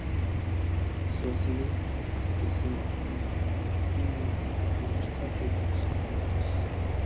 Su acidez hace que sea un vino versátil con los alimentos.